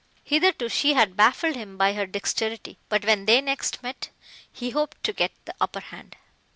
Hitherto she had baffled him by her dexterity, but when they next met he hoped to get the upper hand.